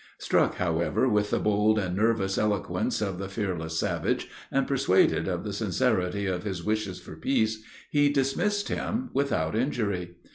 Struck, however, with the bold and nervous eloquence of this fearless savage, and persuaded of the sincerity of his wishes for peace, he dismissed him without injury.